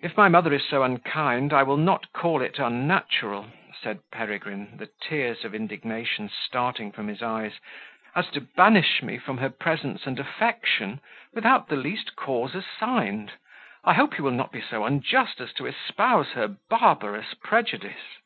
"If my mother is so unkind, I will not call it unnatural," said Peregrine, the tears of indignation starting from his eyes, "as to banish me from her presence and affection, without the least cause assigned; I hope you will not be so unjust as to espouse her barbarous prejudice."